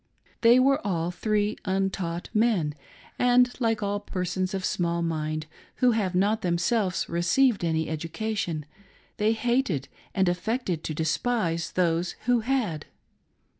They were all three untaught men, and like all persons of small mind who have not themselves received any education, they hated and affected to despise those who had.